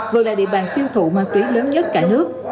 vừa là địa bàn tiêu thụ ma túy lớn nhất cả nước